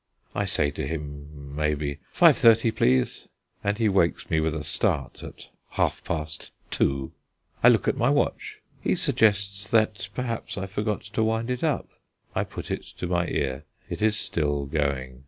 I say to him, maybe, "Five thirty, please;" and he wakes me with a start at half past two. I look at my watch. He suggests that, perhaps, I forgot to wind it up. I put it to my ear; it is still going.